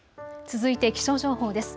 続いて気象情報です。